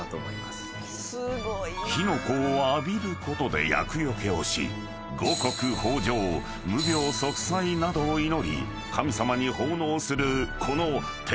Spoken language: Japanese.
［火の粉を浴びることで厄除けをし五穀豊穣無病息災などを祈り神様に奉納するこの手筒花火］